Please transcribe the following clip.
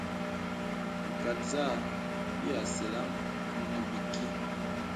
Nkàt zâ bi asɛlə̀ŋ nə̀ bìkì.